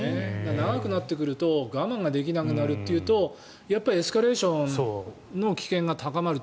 長くなってくると我慢ができなくなるというとやっぱりエスカレーションの危険が高まる。